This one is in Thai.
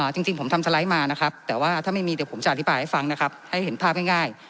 จริงผมทำสไลด์มานะครับแต่ว่าถ้าไม่มีเดี๋ยวผมจะอธิบายให้ฟังนะครับให้เห็นภาพง่าย